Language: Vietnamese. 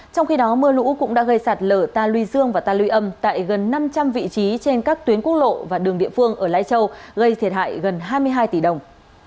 trong khi đó mưa lũ cũng đã gây sạt lở ta luy dương và ta lưu âm tại gần năm trăm linh vị trí trên các tuyến quốc lộ và đường địa phương ở lai châu gây thiệt hại gần hai mươi hai tỷ đồng